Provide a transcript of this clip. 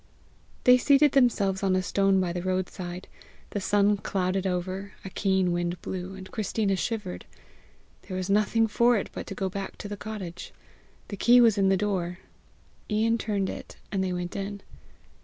They seated themselves on a stone by the roadside. The sun clouded over, a keen wind blew, and Christina shivered. There was nothing for it but go back to the cottage. The key was in the door, Ian turned it, and they went in.